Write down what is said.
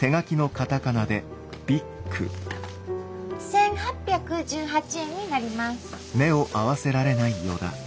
１，８１８円になります。